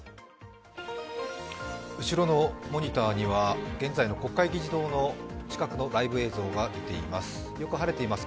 後ろのモニターには、現在の国会議事堂の近くのライブ映像が出ています。